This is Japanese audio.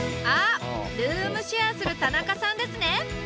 ルームシェアする田中さんですね！